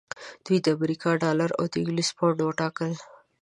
دوی د امریکا ډالر او انګلیسي پونډ وټاکل.